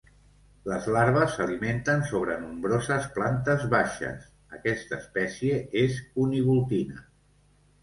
Les larves s'alimenten sobre nombroses plantes baixes; aquesta espècie és univoltina.